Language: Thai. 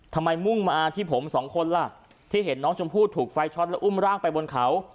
มุ่งมาที่ผมสองคนล่ะที่เห็นน้องชมพู่ถูกไฟช็อตแล้วอุ้มร่างไปบนเขา